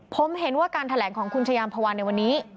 ผมเห็นว่าการแถลงของคุณชายามพวานในวันนี้